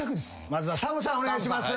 まずはＳＡＭさんお願いします。